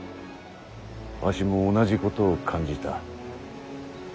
わしも同じことを感じた。